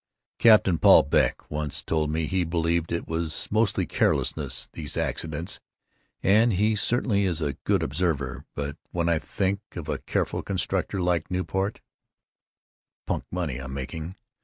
Captain Paul Beck once told me he believed it was mostly carelessness, these accidents, and he certainly is a good observer, but when I think of a careful constructor like Nieuport—— Punk money I'm making.